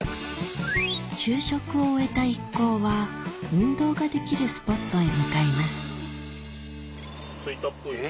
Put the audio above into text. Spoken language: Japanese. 昼食を終えた一行は運動ができるスポットへ向かいます着いたっぽいです。